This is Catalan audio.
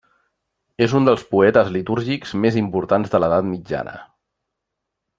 És un dels poetes litúrgics més importants de l'edat mitjana.